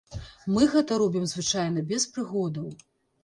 Мы гэта робім звычайна без прыгодаў.